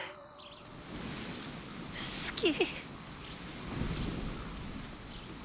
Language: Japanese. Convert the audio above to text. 好き。